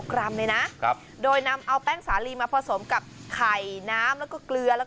กรัมเลยนะโดยนำเอาแป้งสาลีมาผสมกับไข่น้ำแล้วก็เกลือ